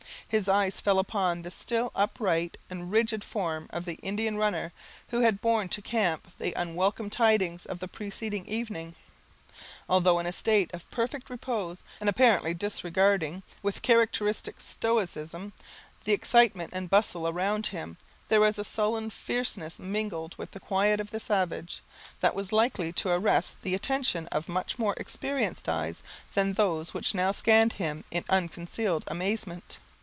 His eyes fell on the still, upright, and rigid form of the "Indian runner," who had borne to the camp the unwelcome tidings of the preceding evening. Although in a state of perfect repose, and apparently disregarding, with characteristic stoicism, the excitement and bustle around him, there was a sullen fierceness mingled with the quiet of the savage, that was likely to arrest the attention of much more experienced eyes than those which now scanned him, in unconcealed amazement.